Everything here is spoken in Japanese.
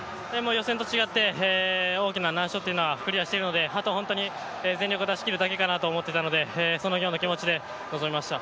予選と違って大きな難所というのはクリアしているので、あと全力を出し切るだけかなと思っていたのでそのような気持ちで臨みました。